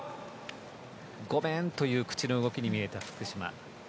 ごめんという口の動きに見えた福島。